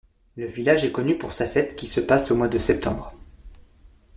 Le village est connu pour sa fête qui se passe au mois de septembre.